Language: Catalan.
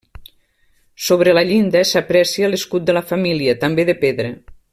Sobre la llinda s'aprecia l'escut de la família, també de pedra.